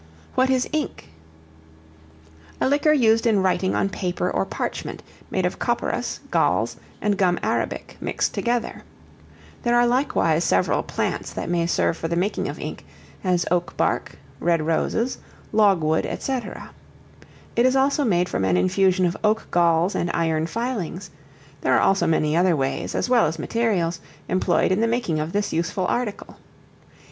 What is Ink? A liquor used in writing on paper or parchment, made of copperas, galls; and gum arabic mixed together. There are likewise several plants that may serve for the making of ink, as oak bark, red roses, log wood, &c. It is also made from an infusion of oak galls and iron filings: there are also many other ways, as well as materials, employed in the making of this useful article.